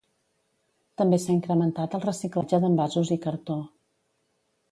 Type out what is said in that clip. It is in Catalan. També s'ha incrementat el reciclatge d'envasos i cartó.